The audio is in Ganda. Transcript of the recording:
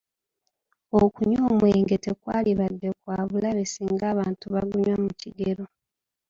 Okunywa omwenge tekwalibadde kwa bulabe singa abantu bagunywa mu kigero.